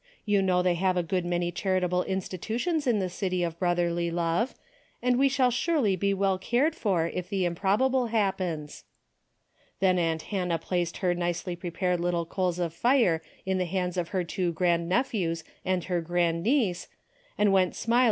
You know they have a good many charitable institutions in the City of Brotherly Love, and we shall surely be well cared for if the improbable happens." Then aunt Hannah placed her nicely prepared little coals of fire in the hands of her two grand nephews and her grand niece, and went smil A DAILY BATE.